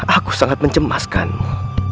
aku sangat mencemaskanmu